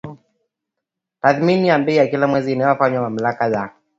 tathmini ya bei kila mwezi inayofanywa na Mamlaka ya